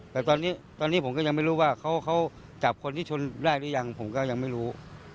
แต่ตอนนี้ผมก็ยังไม่รู้ว่าเขาจับคนที่ชนได้หรือยังผมก็ยังไม่รู้